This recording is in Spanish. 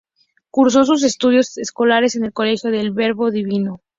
Cursó sus estudios escolares en el Colegio del Verbo Divino.